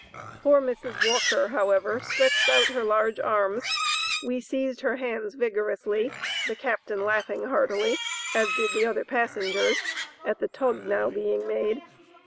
Poor Mrs. Walker, however, stretched out her large arms, we seized her hands vigorously; the captain laughing heartily as did the other passengers at the tug now being made.